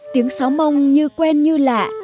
tiếng sáo mông như quen như lạ